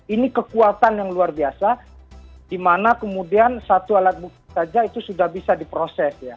ini kekuatan yang luar biasa di mana kemudian satu alat bukti saja itu sudah bisa diproses ya